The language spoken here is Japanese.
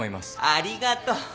ありがと。